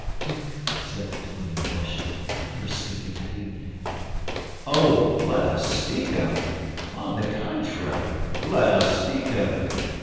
"Duke," said the queen, blushing, "never speak of that evening." "Oh, let us speak of it; on the contrary, let us speak of it!